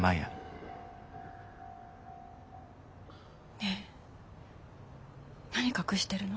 ねえ何隠してるの？